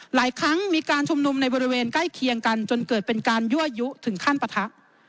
หลายครั้งมีการชุมนุมในบริเวณใกล้เคียงกันจนเกิดเป็นการยั่วยุถึงขั้นปะทะ